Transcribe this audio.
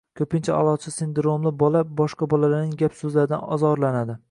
Ko‘pincha aʼlochi sindromli bola boshqa bolalarning gap-so‘zlaridan ozorlanadi.